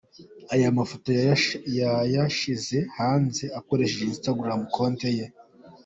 Aya mafoto yayashyize hanze akoresheje Instagram konte ye .